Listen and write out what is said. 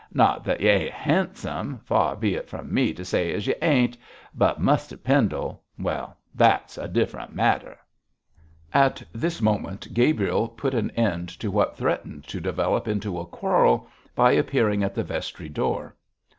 Not that y'ain't 'andsome far be it from me to say as you ain't but Muster Pendle well, that's a different matter.' At this moment Gabriel put an end to what threatened to develop into a quarrel by appearing at the vestry door.